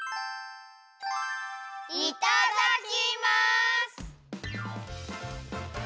いただきます！